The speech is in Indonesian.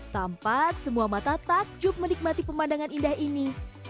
tampak semua mata takjub menikmati pemandangan indah ini